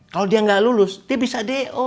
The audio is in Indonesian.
kalau dia enggak lulus dia bisa d o